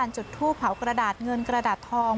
จุดทูปเผากระดาษเงินกระดาษทอง